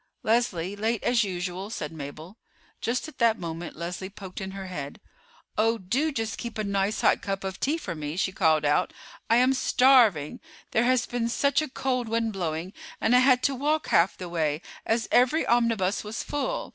"Leslie, late as usual," said Mabel. Just at that moment Leslie poked in her head. "Oh, do just keep a nice hot cup of tea for me," she called out. "I am starving. There has been such a cold wind blowing, and I had to walk half the way, as every omnibus was full.